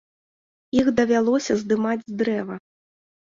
Іх давялося здымаць з дрэва.